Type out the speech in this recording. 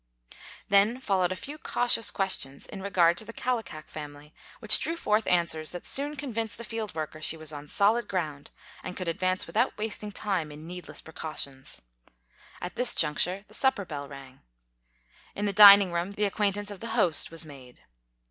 Then followed a few cautious questions in regard to the Kal likak family which drew forth answers that soon con vinced the field worker she was on solid ground and could advance without wasting time in needless pre cautions. At this juncture, the supper bell rang. In the dining room the acquaintance of the host was made.